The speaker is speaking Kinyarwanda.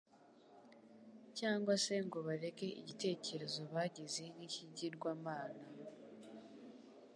cyangwa se ngo bareke igitekerezo bagize ikigirwamana,